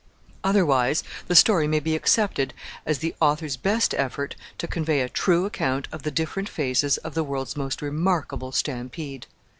Otherwise the story may be accepted as the author's best effort to convey a true account of the different phases of the world's most remarkable stampede.